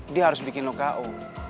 dia harus bikin lo ko